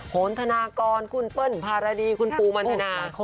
โหนธนากรคุณเปิ้ลภารดีคุณปูมันทนา